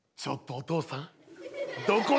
お父さん！